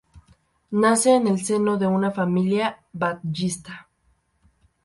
Nace en el seno de una familia batllista.